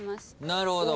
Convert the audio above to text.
なるほど。